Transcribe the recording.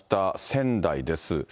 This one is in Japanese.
仙台です。